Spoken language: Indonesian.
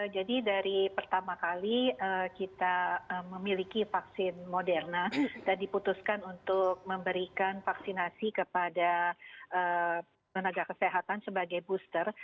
jadi dari pertama kali kita memiliki vaksin moderna dan diputuskan untuk memberikan vaksinasi kepada penegak kesehatan sebagai booster